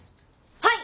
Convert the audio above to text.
はい！